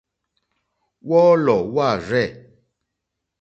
Wɔ́ɔ́lɔ̀ wâ rzɛ̂.